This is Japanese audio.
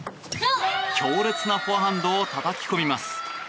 強烈なフォアハンドをたたき込みます。